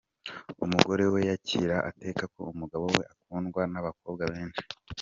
Umugore we yakira ate ko umugabo we akundwa n’abakobwa benshi?.